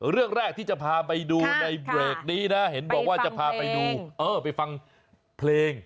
เรื่องแรกที่จะพาไปดูในเบรกนี้นะเห็นบอกว่าจะพาไปดูเออไปฟังเพลง